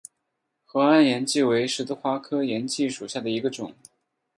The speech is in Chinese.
河岸岩荠为十字花科岩荠属下的一个种。